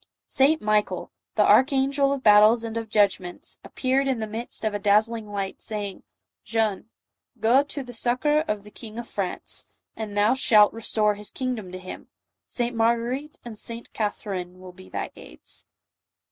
St. Michael, " the archangel of battles and of judgments," appeared in the midst of a dazzling light, saying, " Jeanne, go to the succor of the_King of France, and thou shalt restore his kingdom to hinT St "Marguerite and St. Catherine will be thy aids."